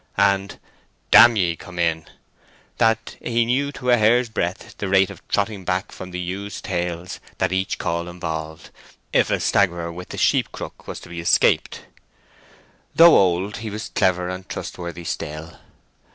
and "D–––– ye, come in!" that he knew to a hair's breadth the rate of trotting back from the ewes' tails that each call involved, if a staggerer with the sheep crook was to be escaped. Though old, he was clever and trustworthy still.